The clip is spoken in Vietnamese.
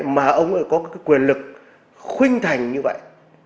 mà ông có cái quyền lực khuynh thành như vậy